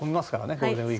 ゴールデンウィーク。